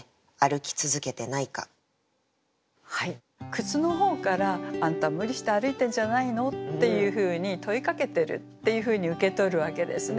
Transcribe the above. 靴の方から「あんた無理して歩いてんじゃないの？」っていうふうに問いかけてるっていうふうに受け取るわけですね。